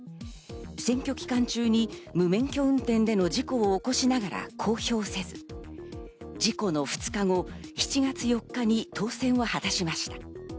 選挙期間中に無免許運転での事故を起こしながら公表せず、事故の２日後、７月４日に当選を果たしました。